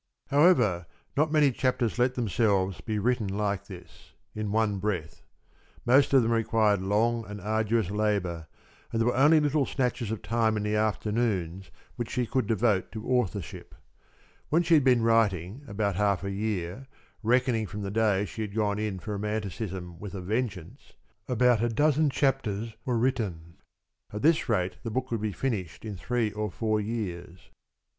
However, not many chapters let themselves be written like this in one breath. Most of them required long and arduous labor, and there were only little snatches of time in the afternoons which she could devote to authorship. When she had been writing about half a year, reckoning from the day when she had gone in for romanticism with a vengeance, about a dozen chapters were written. At this rate the book would be finished in three or four years.